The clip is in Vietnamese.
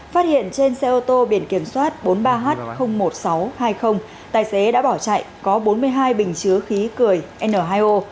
phát hiện trên xe ô tô biển kiểm soát bốn mươi ba h một nghìn sáu trăm hai mươi tài xế đã bỏ chạy có bốn mươi hai bình chứa khí cười n hai o